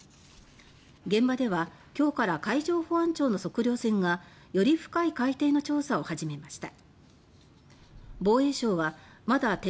現場では、今日から海上保安庁の測量船がより深い海底の調査を始めました。